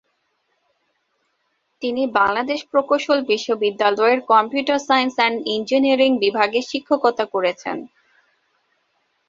তিনি বাংলাদেশ প্রকৌশল বিশ্ববিদ্যালয়ের কম্পিউটার সায়েন্স এন্ড ইঞ্জিনিয়ারিং বিভাগে শিক্ষকতা করছেন।